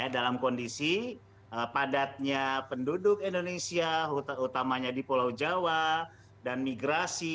dalam kondisi padatnya penduduk indonesia utamanya di pulau jawa dan migrasi